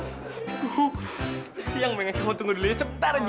yang pengen kamu tunggu dulu ya sebentar aja